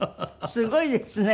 すごいですね。